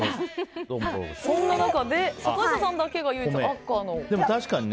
そんな中で坂下さんだけが唯一、赤の。